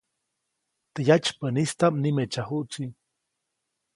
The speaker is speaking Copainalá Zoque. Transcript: Teʼ yatsypäʼnistaʼm nimeʼtsyajuʼtsi.